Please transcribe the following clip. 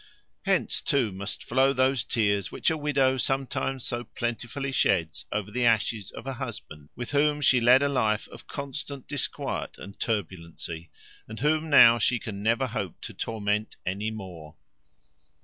Hence, too, must flow those tears which a widow sometimes so plentifully sheds over the ashes of a husband with whom she led a life of constant disquiet and turbulency, and whom now she can never hope to torment any more.